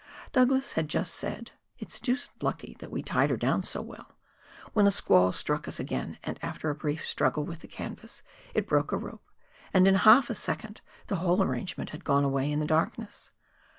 Douglas had just said, " It is deuced lucky that we tied her down so well," when a squall struck us again, and after a brief struggle with the canvas it broke a rope, and in half a second the whole arrangement had gone away in the darkness.